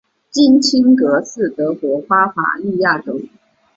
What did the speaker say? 金钦格是德国巴伐利亚州的一个市镇。